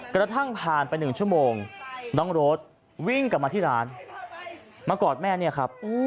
กระทั่งผ่านไป๑ชั่วโมงน้องโรดวิ่งกลับมาที่ร้านมากอดแม่เนี่ยครับ